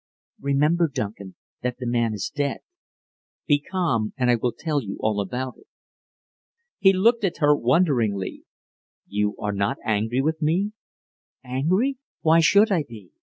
"Remember, Duncan, that the man is dead! Be calm, and I will tell you all about it." He looked at her wonderingly. "You are not angry with me?" "Angry! Why should I be?